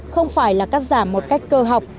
không phải là cắt giảm một cách cơ học